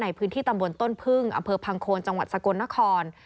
ในพื้นที่ตำบลต้นพึ่งอำเภอพังโคนจังหวัดสกลนคร